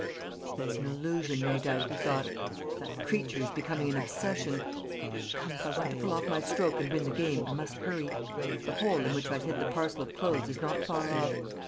"It's an illusion, no doubt," he thought. "That creature is becoming an obsession. ... Come, if I want to pull off my stroke and win the game, I must hurry. ... The hole in which I hid the parcel of clothes is not far off.